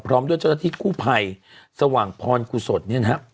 พร้อมด้วยเจ้าหน้าที่คู่ภัยสว่างพรคุสดเนี่ยนะฮะ